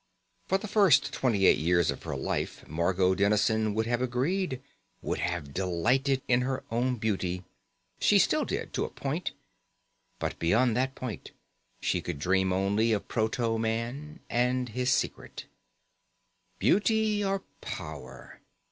For the first twenty eight years of her life, Margot Dennison would have agreed, would have delighted in her own beauty. She still did, to a point. But beyond that point, she could dream only of proto man and his secret. Beauty or power?